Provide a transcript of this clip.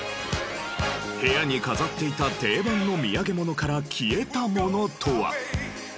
部屋に飾っていた定番のみやげ物から消えたものとは？